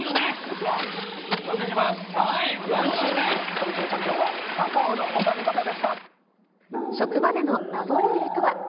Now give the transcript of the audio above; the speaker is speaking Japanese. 今週のチャンピオンはｃａｃａｏのお三方でした。